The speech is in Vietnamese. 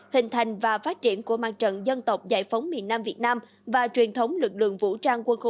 hình thành và phát triển của mặt trận dân tộc giải phóng miền nam việt nam và truyền thống lực lượng vũ trang quân khu năm